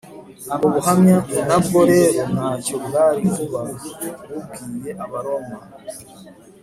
ubwo buhamya nabwo rero ntacyo bwari kuba bubwiye abaroma